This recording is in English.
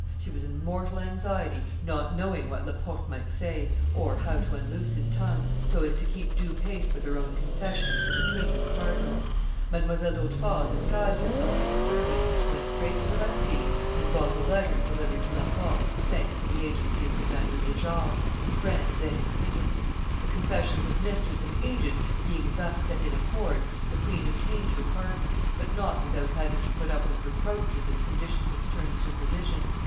She was in mortal anxiety, not knowing what Laporte might say or how to unloose his tongue, so as to keep due pace with her own confessions to the king and the cardinal. Mdlle. d'Hautefort disguised herself as a servant, went straight to the Bastille, and got a letter delivered to Laporte, thanks to the agency of Commander de Jars, her friend, then in prison. The confessions of mistress and agent being thus set in accord, the queen obtained her pardon, but not without having to put up with reproaches and conditions of stern supervision.